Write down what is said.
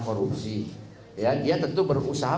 korupsi ya dia tentu berusaha